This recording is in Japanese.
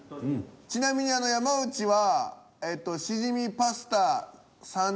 ちなみに山内は。